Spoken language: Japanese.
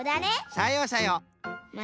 さようさよう。